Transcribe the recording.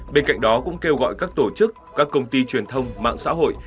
bên cạnh đó cũng kêu gọi các tổ chức các công ty truyền thông mạng xã hội